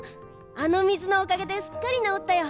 あのみずのおかげですっかりなおったよ。